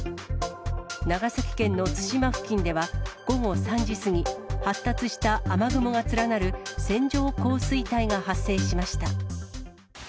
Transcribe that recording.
長崎県の対馬付近では、午後３時過ぎ、発達した雨雲が連なる線状降水帯が発生しました。